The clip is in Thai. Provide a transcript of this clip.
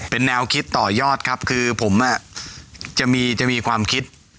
เป็นแนวคิดต่อยอดครับคือผมจะมีจะมีความคิด